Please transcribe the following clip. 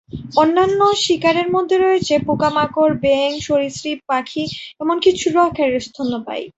অন্যান্য শিকারের মধ্যে রয়েছে পোকামাকড়, ব্যাঙ, সরীসৃপ, পাখি এমনকি ছোট আকারের স্তন্যপায়ী।